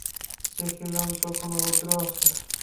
দেখিলাম, তখনো রৌদ্র আছে।